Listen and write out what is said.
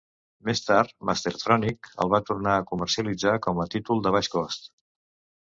Més tard, Mastertronic el va tornar a comercialitzar com a títol de baix cost.